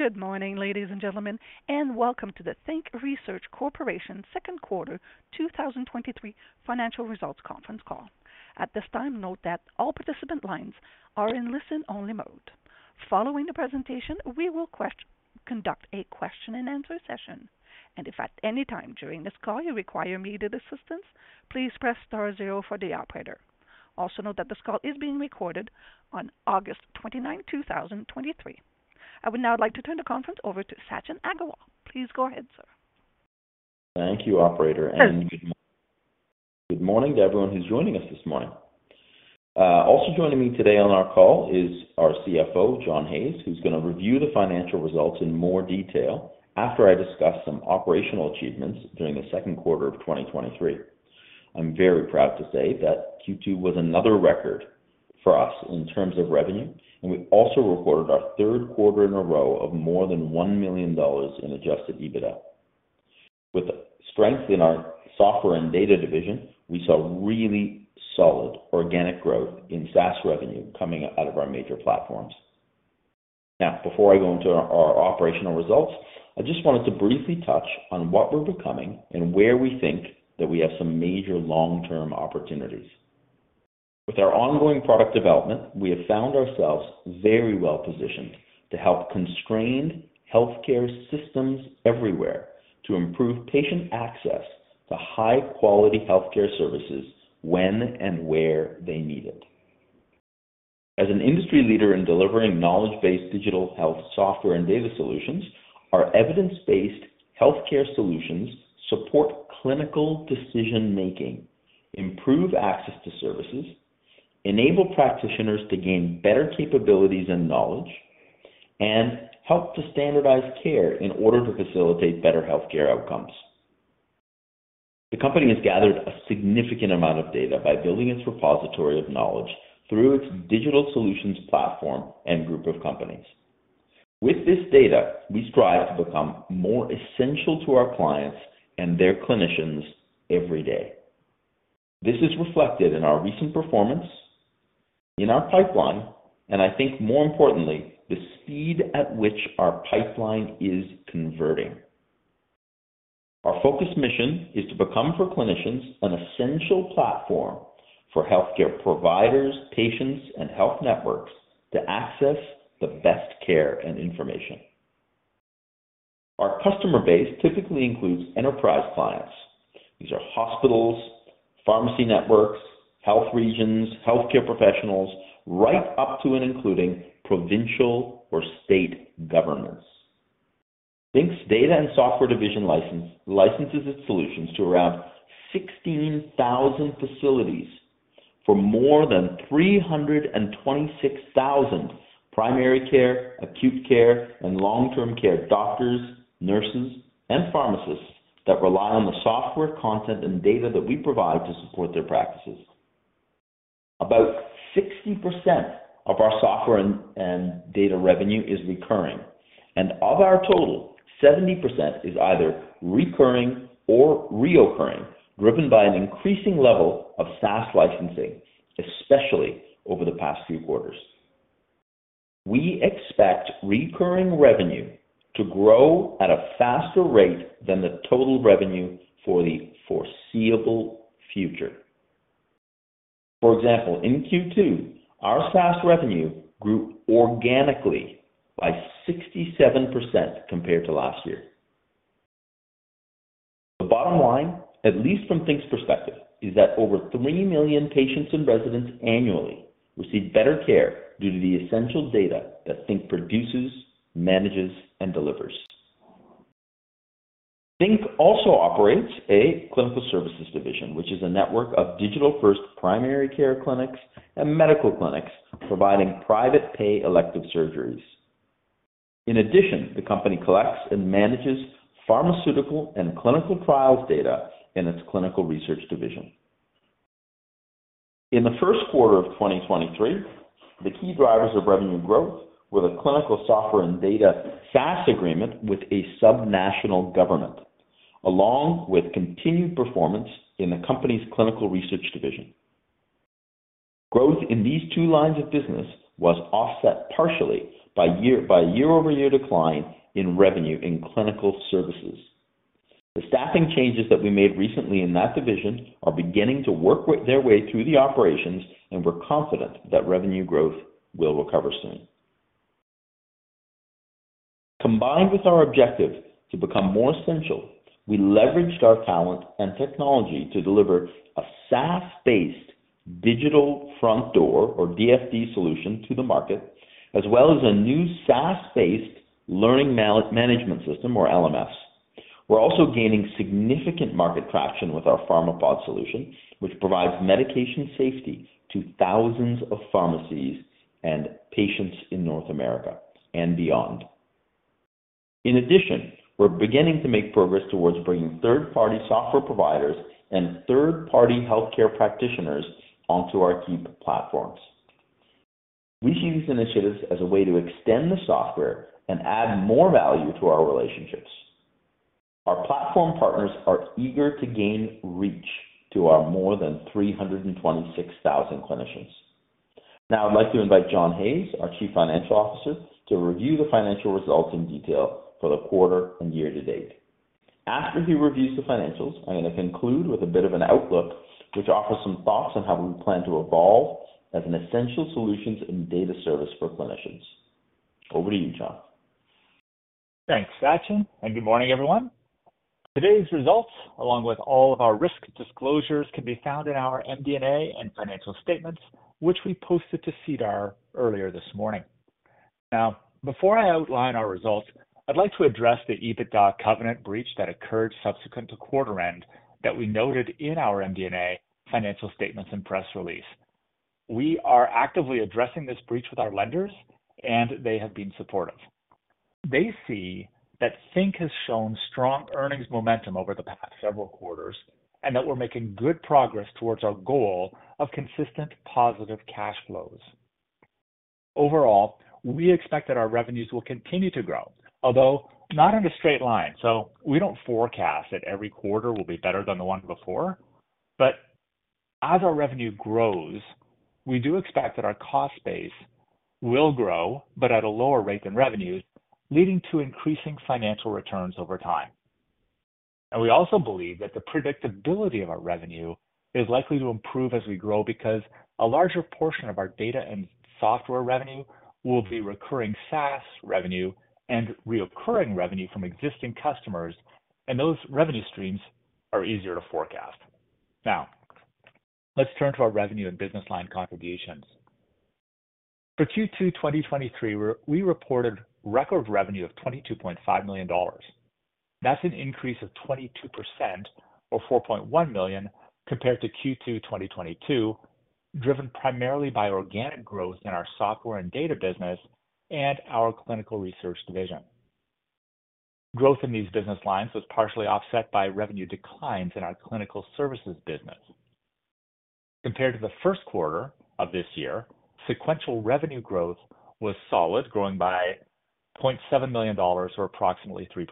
Good morning, ladies and gentlemen, and welcome to the Think Research Corporation Second Quarter 2023 financial results conference call. At this time, note that all participant lines are in listen-only mode. Following the presentation, we will conduct a question and answer session, and if at any time during this call you require immediate assistance, please press star zero for the operator. Also, note that this call is being recorded on August 29, 2023. I would now like to turn the conference over to Sachin Aggarwal. Please go ahead, sir Thank you, operator. Yes. Good morning to everyone who's joining us this morning. Also joining me today on our call is our CFO, John Hayes, who's gonna review the financial results in more detail after I discuss some operational achievements during the second quarter of 2023. I'm very proud to say that Q2 was another record for us in terms of revenue, and we also reported our third quarter in a row of more than 1 million dollars in Adjusted EBITDA. With strength in our software and data division, we saw really solid organic growth in SaaS revenue coming out of our major platforms. Now, before I go into our operational results, I just wanted to briefly touch on what we're becoming and where we think that we have some major long-term opportunities. With our ongoing product development, we have found ourselves very well positioned to help constrain healthcare systems everywhere to improve patient access to high-quality healthcare services when and where they need it. As an industry leader in delivering knowledge-based digital health software and data solutions, our evidence-based healthcare solutions support clinical decision-making, improve access to services, enable practitioners to gain better capabilities and knowledge, and help to standardize care in order to facilitate better healthcare outcomes. The company has gathered a significant amount of data by building its repository of knowledge through its digital solutions platform and group of companies. With this data, we strive to become more essential to our clients and their clinicians every day. This is reflected in our recent performance, in our pipeline, and I think more importantly, the speed at which our pipeline is converting. Our focused mission is to become, for clinicians, an essential platform for healthcare providers, patients, and health networks to access the best care and information. Our customer base typically includes enterprise clients. These are hospitals, pharmacy networks, health regions, healthcare professionals, right up to and including provincial or state governments. Think's data and software division licenses its solutions to around 16,000 facilities for more than 326,000 primary care, acute care, and long-term care doctors, nurses, and pharmacists that rely on the software, content, and data that we provide to support their practices. About 60% of our software and data revenue is recurring, and of our total, 70% is either recurring or reoccurring, driven by an increasing level of SaaS licensing, especially over the past few quarters. We expect recurring revenue to grow at a faster rate than the total revenue for the foreseeable future. For example, in Q2, our SaaS revenue grew organically by 67% compared to last year. The bottom line, at least from Think's perspective, is that over 3 million patients and residents annually receive better care due to the essential data that Think produces, manages, and delivers. Think also operates a clinical services division, which is a network of digital-first primary care clinics and medical clinics providing private pay elective surgeries. In addition, the company collects and manages pharmaceutical and clinical trials data in its clinical research division. In the first quarter of 2023, the key drivers of revenue growth were the clinical software and data SaaS agreement with a subnational government, along with continued performance in the company's clinical research division. Growth in these two lines of business was offset partially by year-over-year decline in revenue in clinical services. The staffing changes that we made recently in that division are beginning to work their way through the operations, and we're confident that revenue growth will recover soon. Combined with our objective to become more essential, we leveraged our talent and technology to deliver a SaaS-based Digital Front Door or DFD solution to the market, as well as a new SaaS-based Learning Management System or LMS. We're also gaining significant market traction with our Pharmapod solution, which provides medication safety to thousands of pharmacies and patients in North America and beyond. In addition, we're beginning to make progress towards bringing third-party software providers and third-party healthcare practitioners onto our key platforms. We see these initiatives as a way to extend the software and add more value to our relationships. Our platform partners are eager to gain reach to our more than 326,000 clinicians. Now I'd like to invite John Hayes, our Chief Financial Officer, to review the financial results in detail for the quarter and year to date. After he reviews the financials, I'm going to conclude with a bit of an outlook, which offers some thoughts on how we plan to evolve as an essential solutions and data service for clinicians. Over to you, John. Thanks, Sachin, and good morning, everyone. Today's results, along with all of our risk disclosures, can be found in our MD&A and financial statements, which we posted to SEDAR earlier this morning. Now, before I outline our results, I'd like to address the EBITDA covenant breach that occurred subsequent to quarter end that we noted in our MD&A financial statements and press release. We are actively addressing this breach with our lenders, and they have been supportive. They see that Think has shown strong earnings momentum over the past several quarters, and that we're making good progress towards our goal of consistent positive cash flows. Overall, we expect that our revenues will continue to grow, although not in a straight line. We don't forecast that every quarter will be better than the one before. But as our revenue grows, we do expect that our cost base will grow, but at a lower rate than revenues, leading to increasing financial returns over time. And we also believe that the predictability of our revenue is likely to improve as we grow, because a larger portion of our data and software revenue will be recurring SaaS revenue and recurring revenue from existing customers, and those revenue streams are easier to forecast. Now, let's turn to our revenue and business line contributions. For Q2 2023, we reported record revenue of 22.5 million dollars. That's an increase of 22% or 4.1 million compared to Q2 2022, driven primarily by organic growth in our software and data business and our clinical research division. Growth in these business lines was partially offset by revenue declines in our clinical services business. Compared to the first quarter of this year, sequential revenue growth was solid, growing by 0.7 million dollars or approximately 3%.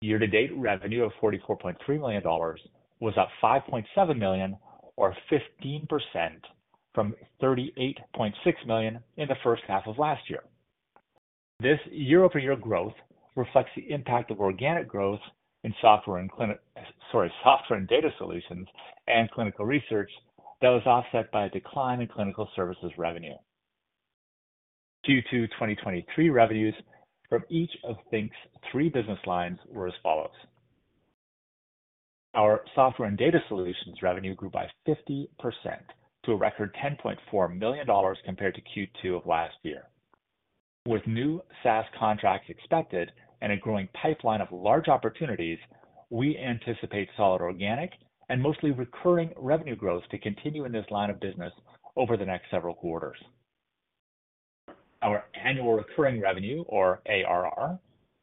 Year-to-date revenue of 44.3 million dollars was up 5.7 million, or 15% from 38.6 million in the first half of last year. This year-over-year growth reflects the impact of organic growth in software and clinic, sorry, software and data solutions and clinical research that was offset by a decline in clinical services revenue. Q2 2023 revenues from each of Think's three business lines were as follows: Our software and data solutions revenue grew by 50% to a record 10.4 million dollars compared to Q2 of last year. With new SaaS contracts expected and a growing pipeline of large opportunities, we anticipate solid, organic, and mostly recurring revenue growth to continue in this line of business over the next several quarters. Our annual recurring revenue, or ARR,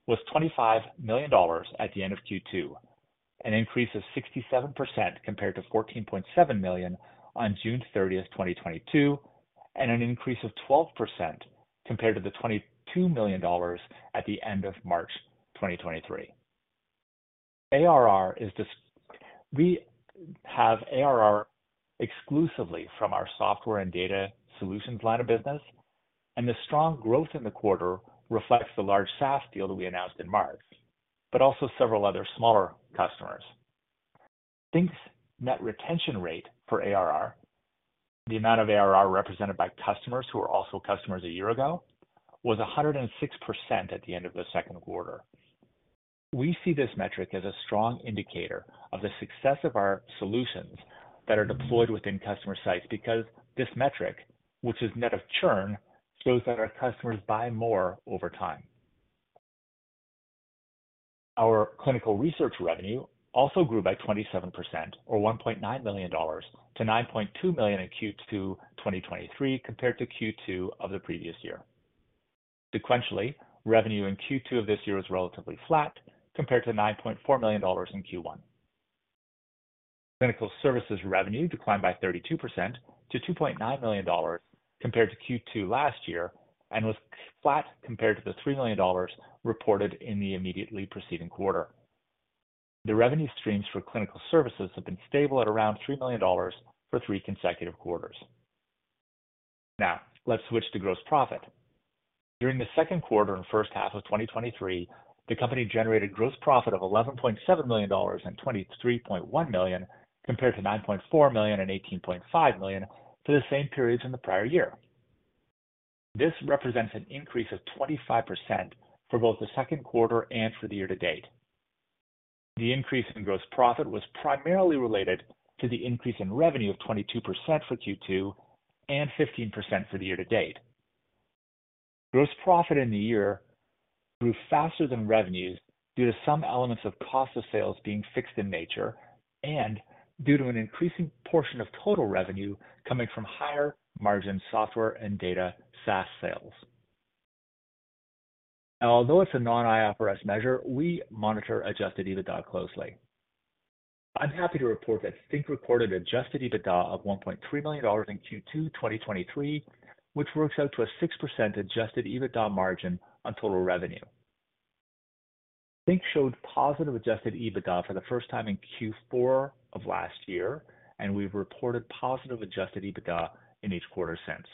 was 25 million dollars at the end of Q2, an increase of 67% compared to 14.7 million on June thirtieth, 2022, and an increase of 12% compared to the 22 million dollars at the end of March 2023. ARR is. We have ARR exclusively from our software and data solutions line of business, and the strong growth in the quarter reflects the large SaaS deal that we announced in March, but also several other smaller customers. Think's net retention rate for ARR, the amount of ARR represented by customers who were also customers a year ago, was 106% at the end of the second quarter. We see this metric as a strong indicator of the success of our solutions that are deployed within customer sites, because this metric, which is net of churn, shows that our customers buy more over time. Our clinical research revenue also grew by 27%, or 1.9 million dollars, to 9.2 million in Q2 2023, compared to Q2 of the previous year. Sequentially, revenue in Q2 of this year was relatively flat compared to 9.4 million dollars in Q1. Clinical services revenue declined by 32% to 2.9 million dollars compared to Q2 last year and was flat compared to the 3 million dollars reported in the immediately preceding quarter. The revenue streams for clinical services have been stable at around 3 million dollars for 3 consecutive quarters. Now, let's switch to gross profit. During the second quarter and first half of 2023, the company generated gross profit of 11.7 million dollars and 23.1 million, compared to 9.4 million and 18.5 million for the same periods in the prior year. This represents an increase of 25% for both the second quarter and for the year to date. The increase in gross profit was primarily related to the increase in revenue of 22% for Q2 and 15% for the year to date. Gross profit in the year grew faster than revenues due to some elements of cost of sales being fixed in nature and due to an increasing portion of total revenue coming from higher-margin software and data SaaS sales. Now, although it's a non-IFRS measure, we monitor Adjusted EBITDA closely. I'm happy to report that Think recorded Adjusted EBITDA of 1.3 million dollars in Q2 2023, which works out to a 6% Adjusted EBITDA margin on total revenue. Think showed positive Adjusted EBITDA for the first time in Q4 of last year, and we've reported positive Adjusted EBITDA in each quarter since.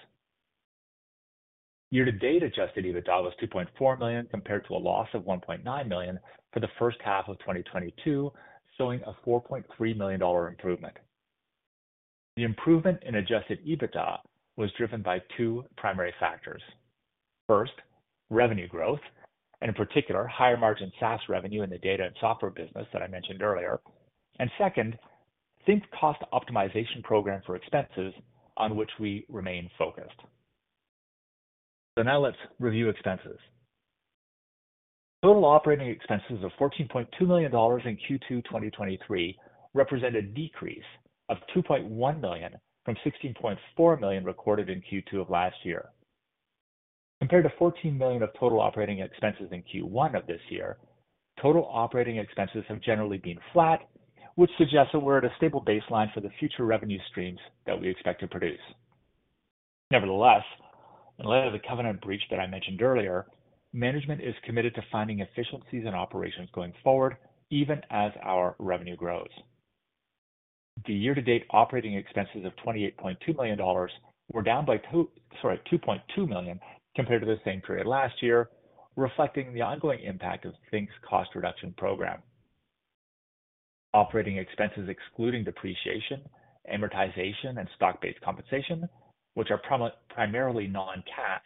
Year to date, Adjusted EBITDA was 2.4 million, compared to a loss of 1.9 million for the first half of 2022, showing a 4.3 million dollar improvement. The improvement in Adjusted EBITDA was driven by two primary factors. First, revenue growth, and in particular, higher margin SaaS revenue in the data and software business that I mentioned earlier. And second, Think's cost optimization program for expenses, on which we remain focused. So now let's review expenses. Total operating expenses of 14.2 million dollars in Q2 2023 represent a decrease of 2.1 million from 16.4 million recorded in Q2 of last year. Compared to 14 million of total operating expenses in Q1 of this year, total operating expenses have generally been flat, which suggests that we're at a stable baseline for the future revenue streams that we expect to produce. Nevertheless, in light of the covenant breach that I mentioned earlier, management is committed to finding efficiencies in operations going forward, even as our revenue grows. The year-to-date operating expenses of 28.2 million dollars were down by two, sorry, 2.2 million compared to the same period last year, reflecting the ongoing impact of Think's cost reduction program. Operating expenses excluding depreciation, amortization, and stock-based compensation, which are primarily non-cash,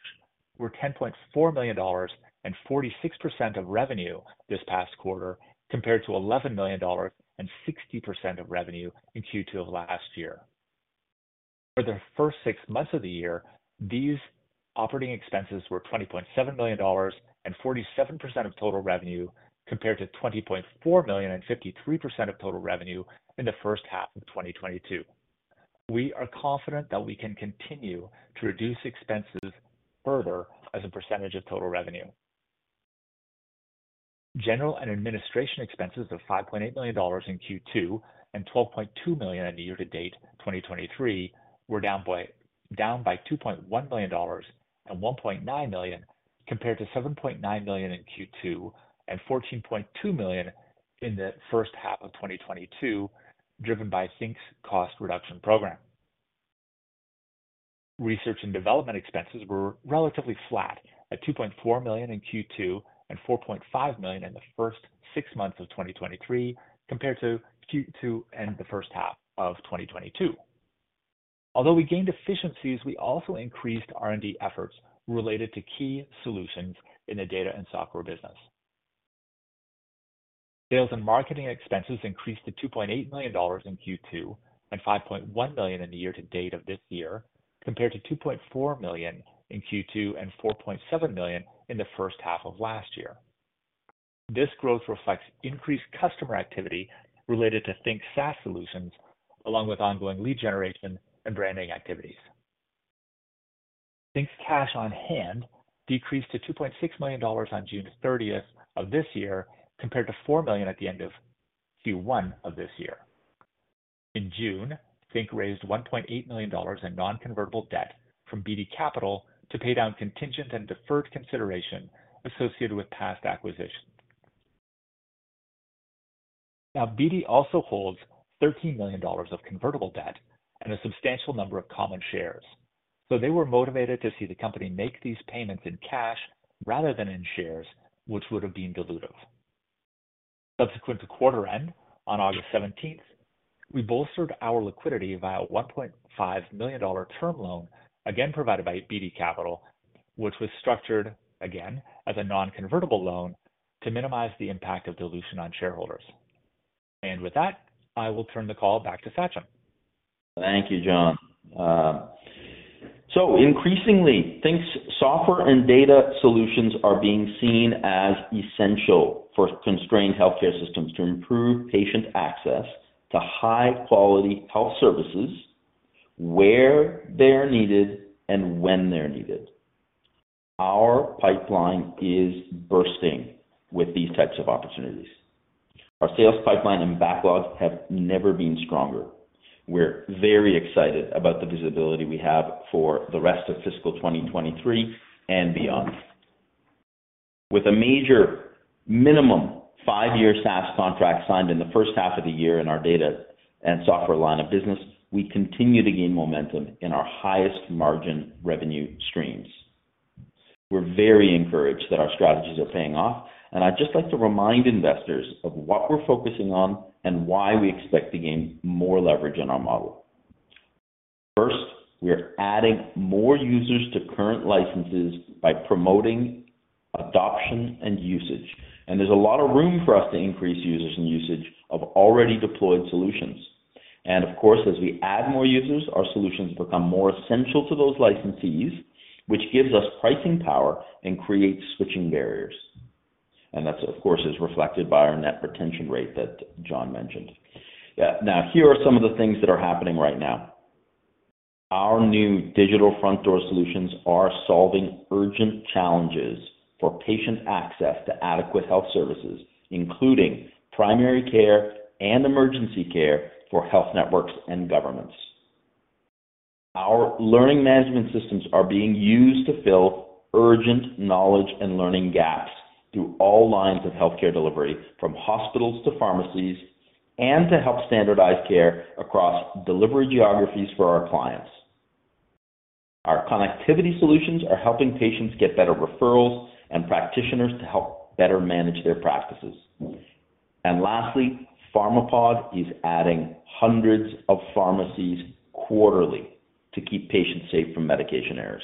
were 10.4 million dollars and 46% of revenue this past quarter, compared to 11 million dollars and 60% of revenue in Q2 of last year. For the first six months of the year, these operating expenses were 20.7 million dollars and 47% of total revenue, compared to 20.4 million and 53% of total revenue in the first half of 2022. We are confident that we can continue to reduce expenses further as a percentage of total revenue. General and administration expenses of 5.8 million dollars in Q2 and 12.2 million in the year to date, 2023, were down by two point one million dollars and one point nine million, compared to 7.9 million in Q2 and 14.2 million in the first half of 2022, driven by Think's cost reduction program. Research and development expenses were relatively flat at 2.4 million in Q2 and 4.5 million in the first six months of 2023, compared to Q2 and the first half of 2022. Although we gained efficiencies, we also increased R&D efforts related to key solutions in the data and software business. Sales and marketing expenses increased to 2.8 million dollars in Q2 and 5.1 million in the year to date of this year, compared to 2.4 million in Q2 and 4.7 million in the first half of last year. This growth reflects increased customer activity related to Think's SaaS solutions, along with ongoing lead generation and branding activities. Think's cash on hand decreased to 2.6 million dollars on June thirtieth of this year, compared to 4 million at the end of Q1 of this year. In June, Think raised 1.8 million dollars in non-convertible debt from Beedie Capital to pay down contingent and deferred consideration associated with past acquisitions. Now, Beedie also holds 13 million dollars of convertible debt and a substantial number of common shares, so they were motivated to see the company make these payments in cash rather than in shares, which would have been dilutive. Subsequent to quarter end, on August seventeenth, we bolstered our liquidity via a 1.5 million dollar term loan, again provided by Beedie Capital, which was structured, again, as a non-convertible loan to minimize the impact of dilution on shareholders. With that, I will turn the call back to Sachin. Thank you, John. So increasingly, Think's software and data solutions are being seen as essential for constrained healthcare systems to improve patient access to high-quality health services where they're needed and when they're needed. Our pipeline is bursting with these types of opportunities. Our sales pipeline and backlogs have never been stronger. We're very excited about the visibility we have for the rest of fiscal 2023 and beyond. With a major minimum five-year SaaS contract signed in the first half of the year in our data and software line of business, we continue to gain momentum in our highest margin revenue streams. We're very encouraged that our strategies are paying off, and I'd just like to remind investors of what we're focusing on and why we expect to gain more leverage in our model. First, we are adding more users to current licenses by promoting adoption and usage, and there's a lot of room for us to increase users and usage of already deployed solutions. Of course, as we add more users, our solutions become more essential to those licensees, which gives us pricing power and creates switching barriers. That's, of course, reflected by our Net Retention Rate that John mentioned. Yeah. Now, here are some of the things that are happening right now. Our new Digital Front Door solutions are solving urgent challenges for patient access to adequate health services, including primary care and emergency care for health networks and governments. Our Learning Management Systems are being used to fill urgent knowledge and learning gaps through all lines of healthcare delivery, from hospitals to pharmacies, and to help standardize care across delivery geographies for our clients. Our connectivity solutions are helping patients get better referrals and practitioners to help better manage their practices. And lastly, Pharmapod is adding hundreds of pharmacies quarterly to keep patients safe from medication errors.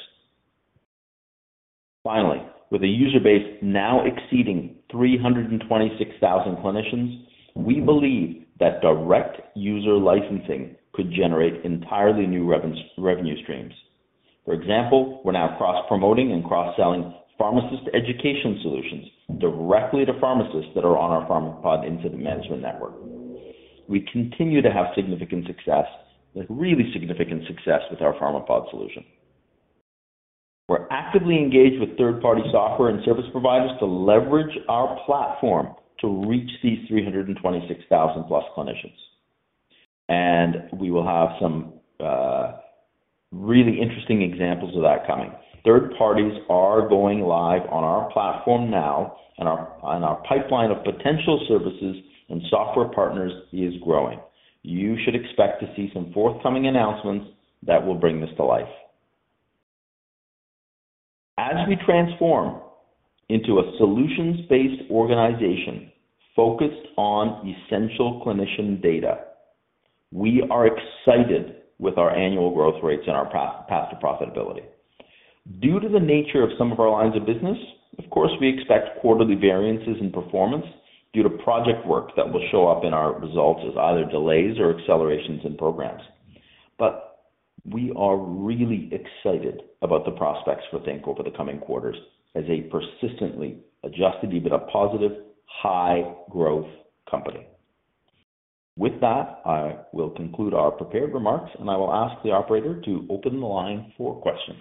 Finally, with a user base now exceeding 326,000 clinicians, we believe that direct user licensing could generate entirely new revenue streams. For example, we're now cross-promoting and cross-selling pharmacist education solutions directly to pharmacists that are on our Pharmapod incident management network. We continue to have significant success, like, really significant success, with our Pharmapod solution. We're actively engaged with third-party software and service providers to leverage our platform to reach these 326,000 plus clinicians, and we will have some, really interesting examples of that coming. Third parties are going live on our platform now, and our pipeline of potential services and software partners is growing. You should expect to see some forthcoming announcements that will bring this to life. As we transform into a solutions-based organization focused on essential clinician data, we are excited with our annual growth rates and our path to profitability. Due to the nature of some of our lines of business, of course, we expect quarterly variances in performance due to project work that will show up in our results as either delays or accelerations in programs. But we are really excited about the prospects for Think Research over the coming quarters as a persistently Adjusted EBITDA-positive, high-growth company. With that, I will conclude our prepared remarks, and I will ask the operator to open the line for questions.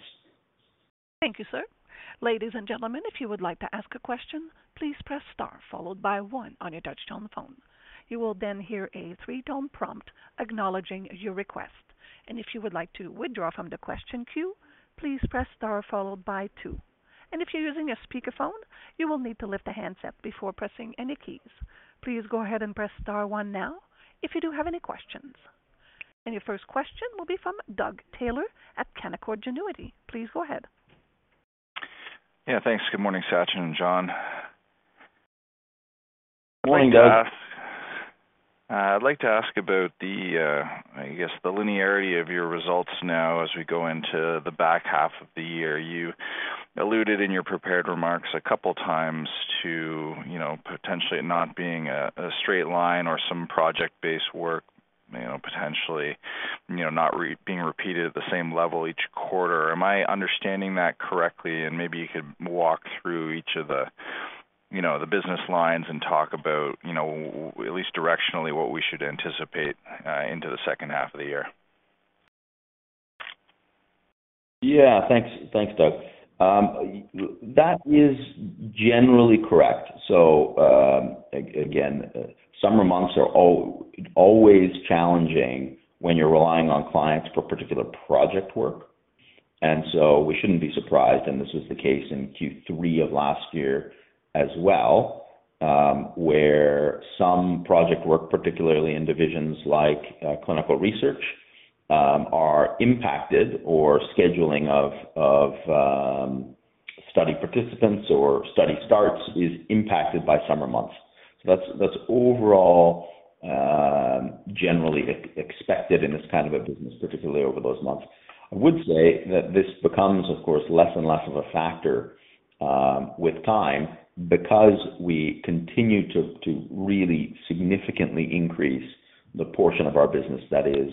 Thank you, sir. Ladies and gentlemen, if you would like to ask a question, please press star followed by 1 on your touchtone phone. You will then hear a 3-tone prompt acknowledging your request. If you would like to withdraw from the question queue, please press star followed by 2. If you're using a speakerphone, you will need to lift the handset before pressing any keys. Please go ahead and press star 1 now if you do have any questions. Your first question will be from Doug Taylor at Canaccord Genuity. Please go ahead. Yeah, thanks. Good morning, Sachin and John. Good morning, Doug. I'd like to ask about the, I guess, the linearity of your results now as we go into the back half of the year. You alluded in your prepared remarks a couple times to, you know, potentially not being a, a straight line or some project-based work, you know, potentially, you know, not being repeated at the same level each quarter. Am I understanding that correctly? And maybe you could walk through each of the, you know, the business lines and talk about, you know, at least directionally, what we should anticipate, into the second half of the year. Yeah. Thanks. Thanks, Doug. That is generally correct. So, again, summer months are always challenging when you're relying on clients for particular project work, and so we shouldn't be surprised, and this was the case in Q3 of last year as well, where some project work, particularly in divisions like clinical research, are impacted or scheduling of study participants or study starts is impacted by summer months. So that's overall generally expected in this kind of a business, particularly over those months. I would say that this becomes, of course, less and less of a factor with time because we continue to really significantly increase the portion of our business that is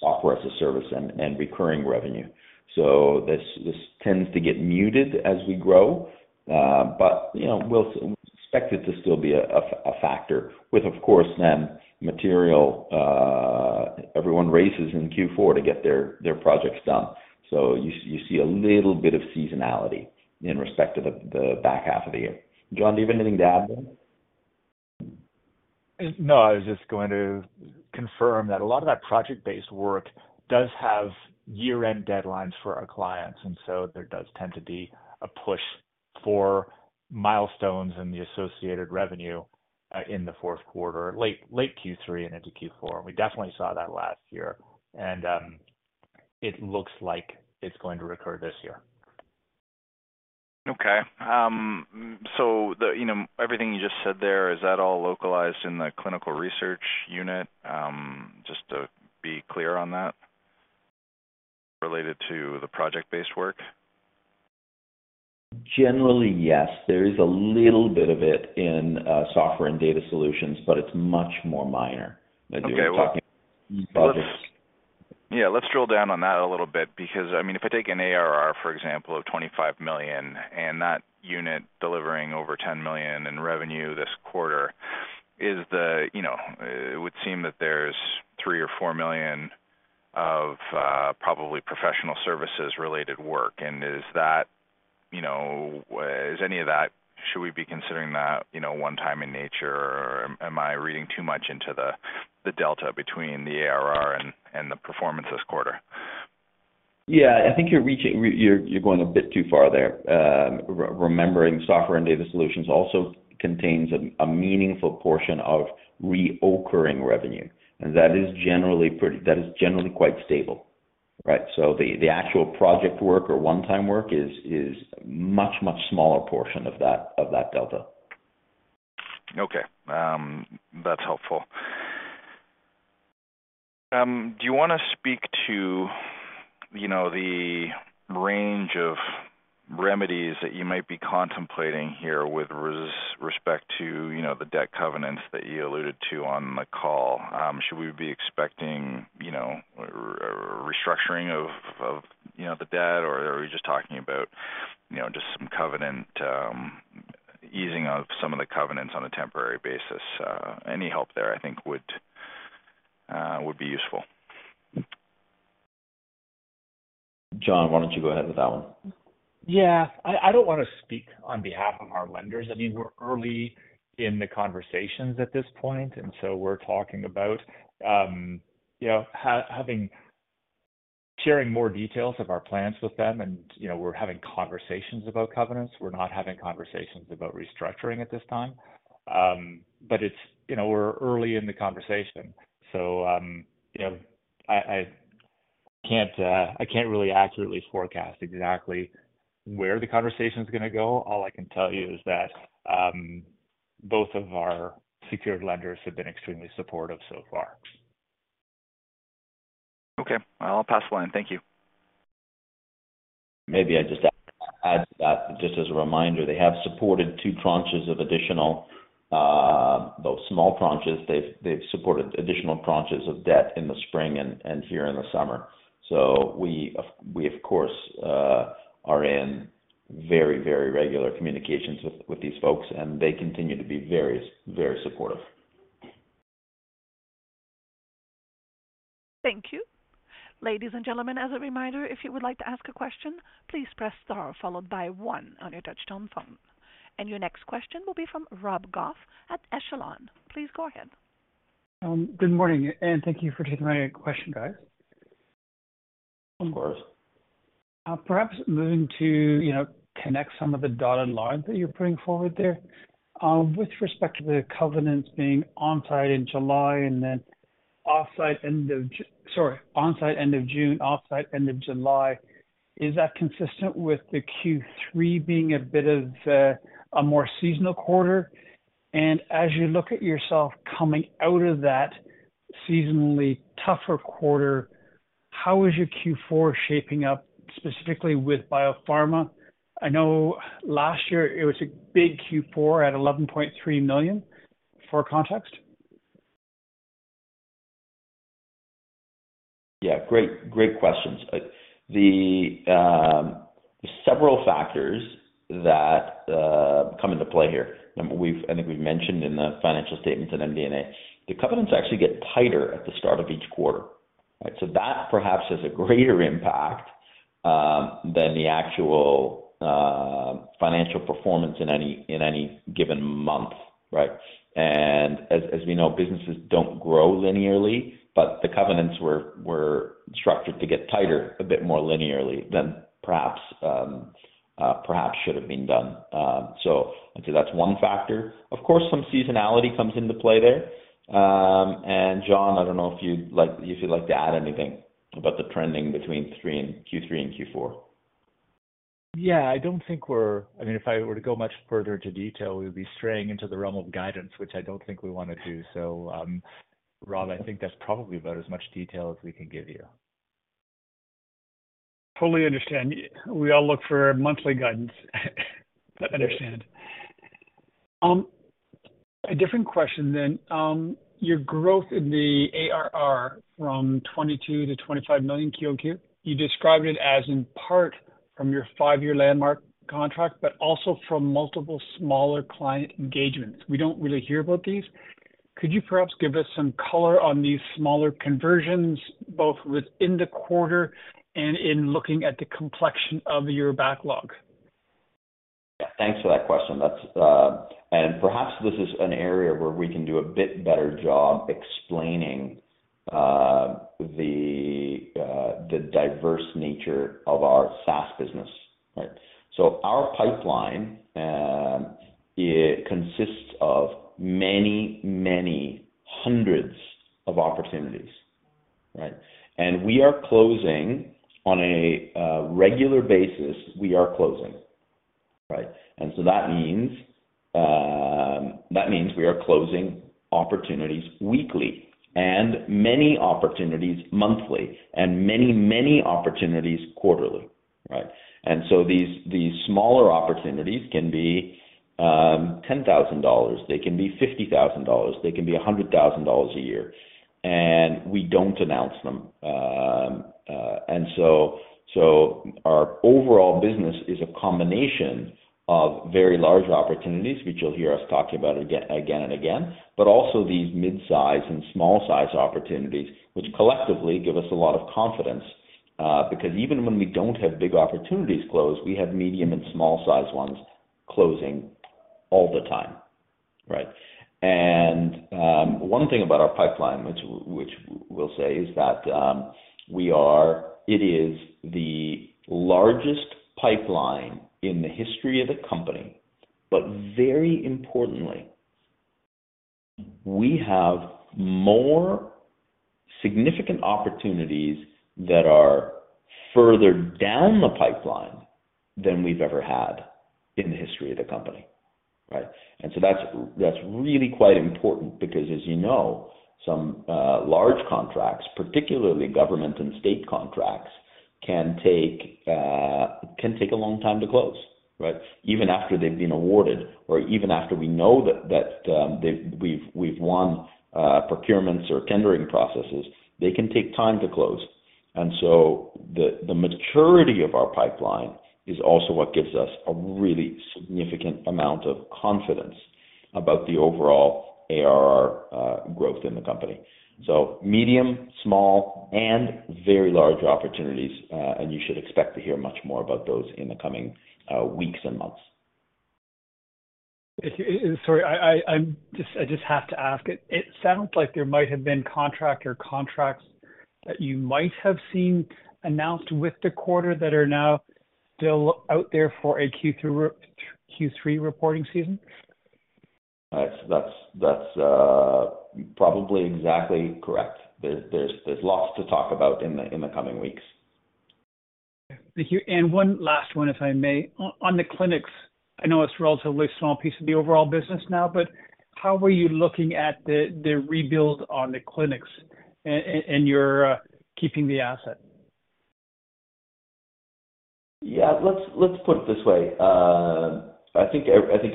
software as a service and recurring revenue. So this, this tends to get muted as we grow, but you know, we'll expect it to still be a factor with, of course, then material, everyone races in Q4 to get their projects done. So you see a little bit of seasonality in respect to the back half of the year. John, do you have anything to add there? No, I was just going to confirm that a lot of that project-based work does have year-end deadlines for our clients, and so there does tend to be a push for milestones and the associated revenue in the fourth quarter, late Q3 and into Q4. We definitely saw that last year, and it looks like it's going to recur this year. Okay, so, you know, everything you just said there, is that all localized in the clinical research unit? Just to be clear on that, related to the project-based work? Generally, yes. There is a little bit of it in, software and data solutions, but it's much more minor than doing- Okay. Talking about this. Yeah, let's drill down on that a little bit, because, I mean, if I take an ARR, for example, of 25 million and that unit delivering over 10 million in revenue this quarter, is the, you know, it would seem that there's 3 or 4 million of, probably professional services related work. And is that, you know, is any of that? Should we be considering that, you know, one-time in nature, or am I reading too much into the delta between the ARR and the performance this quarter? Yeah, I think you're reaching. You're going a bit too far there. Regarding software and data solutions also contains a meaningful portion of recurring revenue, and that is generally pretty stable, right? So the actual project work or one-time work is much smaller portion of that delta. Okay, that's helpful. Do you want to speak to, you know, the range of remedies that you might be contemplating here with respect to, you know, the debt covenants that you alluded to on the call? Should we be expecting, you know, a restructuring of the debt, or are we just talking about, you know, just some covenant easing of some of the covenants on a temporary basis? Any help there, I think would be useful. John, why don't you go ahead with that one? Yeah. I, I don't want to speak on behalf of our lenders. I mean, we're early in the conversations at this point, and so we're talking about, you know, having, sharing more details of our plans with them. And, you know, we're having conversations about covenants. We're not having conversations about restructuring at this time. But it's, you know, we're early in the conversation, so, you know, I, I can't, I can't really accurately forecast exactly where the conversation is gonna go. All I can tell you is that, both of our secured lenders have been extremely supportive so far. Okay, I'll pass the line. Thank you. Maybe I just add to that, just as a reminder, they have supported two tranches of additional, though small tranches, they've supported additional tranches of debt in the spring and here in the summer. So we, of course, are in very, very regular communications with these folks, and they continue to be very, very supportive. Thank you. Ladies and gentlemen, as a reminder, if you would like to ask a question, please press star followed by one on your touchtone phone. Your next question will be from Rob Goff at Echelon. Please go ahead. Good morning, and thank you for taking my question, guys. Of course. Perhaps moving to, you know, connect some of the dotted line that you're putting forward there. With respect to the covenants being on-site end of June and then off-site end of July, is that consistent with the Q3 being a bit of, a more seasonal quarter? And as you look at yourself coming out of that seasonally tougher quarter, how is your Q4 shaping up, specifically with BioPharma? I know last year it was a big Q4 at 11.3 million, for context. Yeah, great, great questions. Several factors come into play here, and I think we've mentioned in the financial statements and MD&A, the covenants actually get tighter at the start of each quarter, right? So that perhaps has a greater impact than the actual financial performance in any given month, right? And as we know, businesses don't grow linearly, but the covenants were structured to get tighter a bit more linearly than perhaps should have been done. So I'd say that's one factor. Of course, some seasonality comes into play there. And John, I don't know if you'd like to add anything about the trending between Q3 and Q4. Yeah, I don't think we're... I mean, if I were to go much further into detail, we'd be straying into the realm of guidance, which I don't think we want to do. So, Rob, I think that's probably about as much detail as we can give you. Totally understand. We all look for monthly guidance. I understand. A different question then. Your growth in the ARR from 22 million-25 million QOQ, you described it as in part from your five-year landmark contract, but also from multiple smaller client engagements. We don't really hear about these. Could you perhaps give us some color on these smaller conversions, both within the quarter and in looking at the complexion of your backlog? Yeah, thanks for that question. That's an area where we can do a bit better job explaining the diverse nature of our SaaS business, right? Our pipeline consists of many, many hundreds of opportunities, right? We are closing on a regular basis, we are closing, right? So that means we are closing opportunities weekly, and many opportunities monthly, and many, many opportunities quarterly, right? These smaller opportunities can be 10,000 dollars, they can be 50,000 dollars, they can be 100,000 dollars a year... And we don't announce them. Our overall business is a combination of very large opportunities, which you'll hear us talking about again, again, and again, but also these mid-size and small-size opportunities, which collectively give us a lot of confidence, because even when we don't have big opportunities close, we have medium and small-sized ones closing all the time, right? One thing about our pipeline, which we'll say is that it is the largest pipeline in the history of the company, but very importantly, we have more significant opportunities that are further down the pipeline than we've ever had in the history of the company, right? So that's really quite important because, as you know, some large contracts, particularly government and state contracts, can take a long time to close, right? Even after they've been awarded or even after we know that they've won procurements or tendering processes, they can take time to close. And so the maturity of our pipeline is also what gives us a really significant amount of confidence about the overall ARR growth in the company. So medium, small, and very large opportunities, and you should expect to hear much more about those in the coming weeks and months. If, sorry, I'm just... I just have to ask. It sounds like there might have been contract or contracts that you might have seen announced with the quarter that are now still out there for a Q3 reporting season. That's probably exactly correct. There's lots to talk about in the coming weeks. Thank you. And one last one, if I may. On the clinics, I know it's a relatively small piece of the overall business now, but how are you looking at the rebuild on the clinics and you're keeping the asset? Yeah, let's put it this way. I think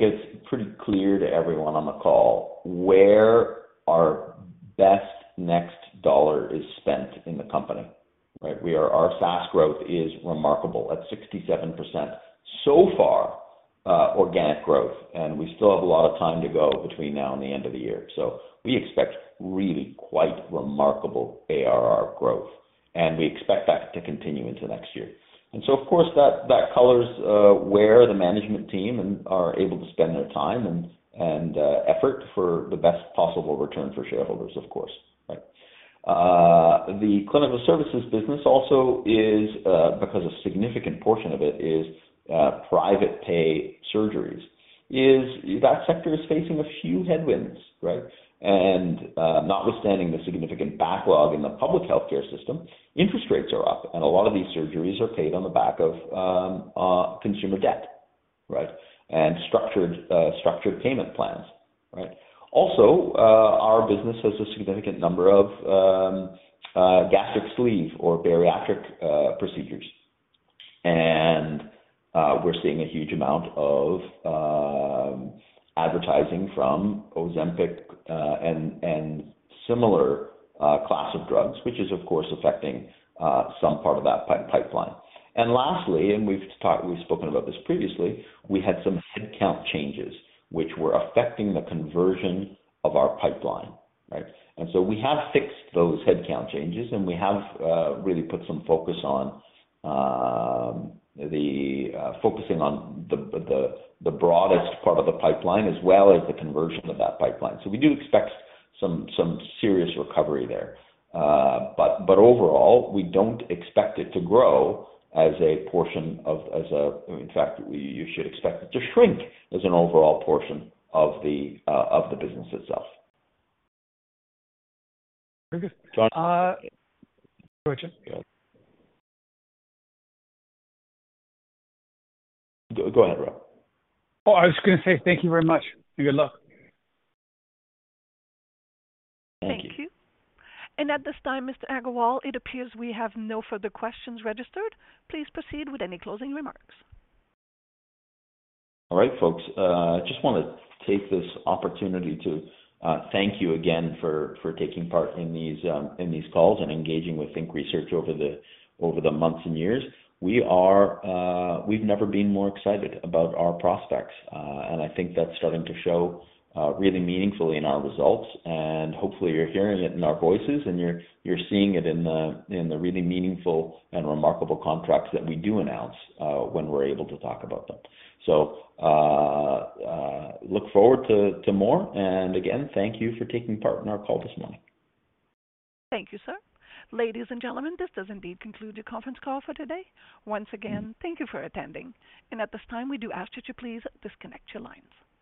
it's pretty clear to everyone on the call where our best next dollar is spent in the company, right? We are—our fast growth is remarkable, at 67% so far, organic growth, and we still have a lot of time to go between now and the end of the year. So we expect really quite remarkable ARR growth, and we expect that to continue into next year. And so, of course, that colors where the management team and are able to spend their time and effort for the best possible return for shareholders, of course, right? The clinical services business also is because a significant portion of it is private pay surgeries, is that sector is facing a few headwinds, right? Notwithstanding the significant backlog in the public healthcare system, interest rates are up, and a lot of these surgeries are paid on the back of consumer debt, right, and structured payment plans, right? Also, our business has a significant number of gastric sleeve or bariatric procedures. We're seeing a huge amount of advertising from Ozempic and similar class of drugs, which is, of course, affecting some part of that pipeline. And lastly, we've talked, we've spoken about this previously, we had some headcount changes, which were affecting the conversion of our pipeline, right? And so we have fixed those headcount changes, and we have really put some focus on focusing on the broadest part of the pipeline as well as the conversion of that pipeline. So we do expect some serious recovery there. But overall, we don't expect it to grow as a portion of, in fact, you should expect it to shrink as an overall portion of the business itself. Very good. Go ahead, sir. Go, go ahead, Rob. Oh, I was gonna say thank you very much, and good luck. Thank you. Thank you. At this time, Mr. Aggarwal, it appears we have no further questions registered. Please proceed with any closing remarks. All right, folks, I just wanna take this opportunity to thank you again for taking part in these calls and engaging with Think Research over the months and years. We've never been more excited about our prospects, and I think that's starting to show really meaningfully in our results. And hopefully, you're hearing it in our voices, and you're seeing it in the really meaningful and remarkable contracts that we do announce when we're able to talk about them. So, look forward to more, and again, thank you for taking part in our call this morning. Thank you, sir. Ladies and gentlemen, this does indeed conclude the conference call for today. Once again, thank you for attending, and at this time, we do ask you to please disconnect your lines.